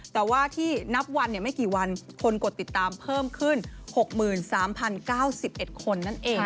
แต่ว่าที่นับวันไม่กี่วันคนกดติดตามเพิ่มขึ้น๖๓๐๙๑คนนั่นเอง